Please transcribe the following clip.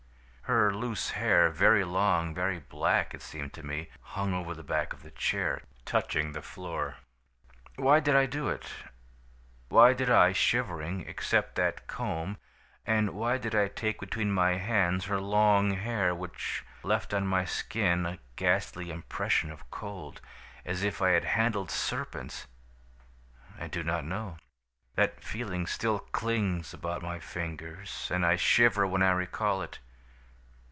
"Her loose hair, very long, very black, it seemed to me, hung over the back of the chair, touching the floor. "Why did I do it? Why did I, shivering, accept that comb, and why did I take between my hands her long hair, which left on my skin a ghastly impression of cold, as if I had handled serpents? I do not know. "That feeling still clings about my fingers, and I shiver when I recall it.